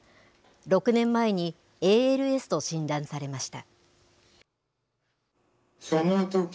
６年前にＡＬＳと診断されました。